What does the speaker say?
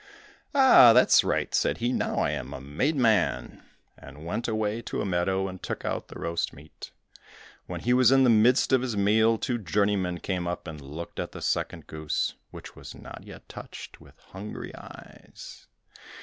"Ah, that's right!" said he, "now I am a made man!" and went away to a meadow and took out the roast meat. When he was in the midst of his meal, two journeymen came up and looked at the second goose, which was not yet touched, with hungry eyes.